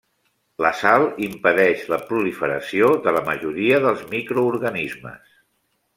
La sal impedeix la proliferació de la majoria dels microorganismes.